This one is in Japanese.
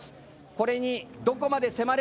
これにどこまで迫れるか。